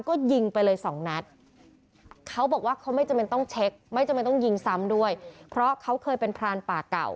ก็ยิงไปเลยสองนัดเขาบอกว่าเขาไม่จำเป็นต้องเช็คไม่จำเป็นต้องยิงซ้ำด้วยเพราะเขาเคยเป็นพรานป่าเก่า